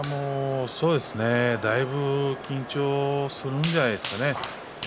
だいぶ緊張するんじゃないですかね。